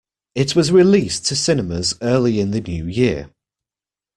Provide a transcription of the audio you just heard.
It was released to cinemas early in the New Year.